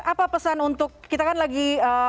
apa pesan untuk kita kan lagi